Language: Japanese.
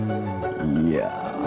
いや！